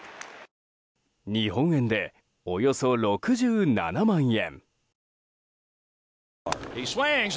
日本円で、およそ６７万円。